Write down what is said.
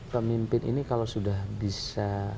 pemimpin ini kalau sudah bisa